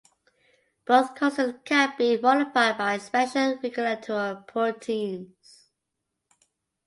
Both constants can be modified by special regulatory proteins.